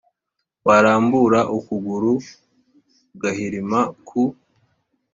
Warambura ukuguru ugahirima ku